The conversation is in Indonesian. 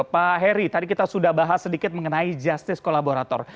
pak heri tadi kita sudah bahas sedikit mengenai justice kolaborator